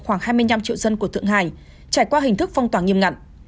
khoảng hai mươi năm triệu dân của thượng hải trải qua hình thức phong tòa nghiêm ngặn